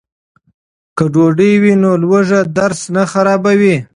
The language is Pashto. که ډوډۍ وي نو لوږه درس نه خرابوي.